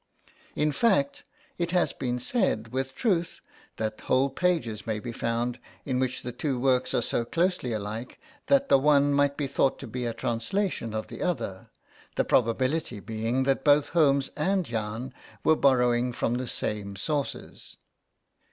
In fact, it has been said with truth that whole pages may be found in which the two works are so closely alike that the one might be thought to be a translation of the other, the probability being that both Holmes and Jahn were borrowing from the same sources.